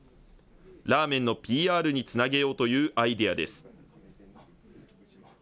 ラーメンのＰＲにつなげようというアイデアです。